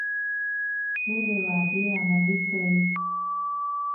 ټولې وعدې عملي کړي.